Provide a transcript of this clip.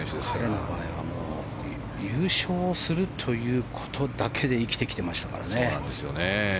彼の場合は優勝するということだけで生きてきてましたからね。